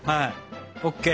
ＯＫ。